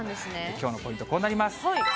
きょうのポイント、こうなります。